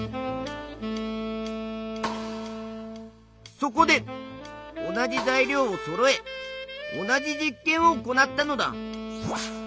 そこで同じ材料をそろえ同じ実験を行ったのだ。